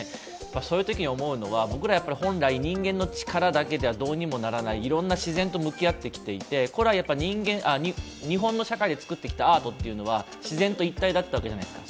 そういうときに思うのは僕ら本来、人間の力だけではどうにもならないいろんな自然と向き合ってきていて、古来日本の社会でつくってきたアートというのは自然と一体だったじゃないですか。